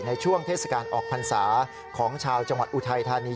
เทศกาลออกพรรษาของชาวจังหวัดอุทัยธานี